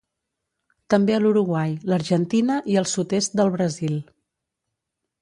També a l'Uruguai, l'Argentina i el sud-est del Brasil.